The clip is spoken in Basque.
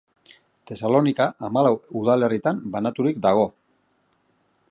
Tesalonika hamalau udalerritan banaturik dago.